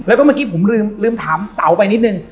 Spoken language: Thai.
แล้วก็เมื่อกี้ผมลืมถามเต๋าไปนิดนึง